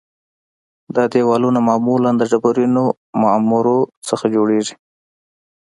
دا دیوالونه معمولاً د ډبرینو معمورو څخه جوړیږي